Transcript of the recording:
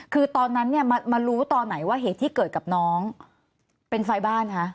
คือตอนนั้นเนี่ยมารู้ตอนไหนว่าเหตุที่เกิดกับน้องเป็นไฟบ้านคะ